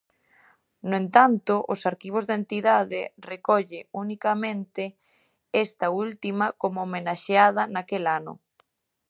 No entanto, os arquivos da entidade recolle unicamente esta última como homenaxeada naquel ano.